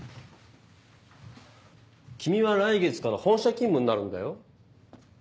君は来月から本社勤務になるんだよ。